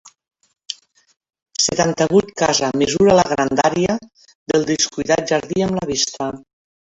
Setanta-vuit casa mesura la grandària del descuidat jardí amb la vista.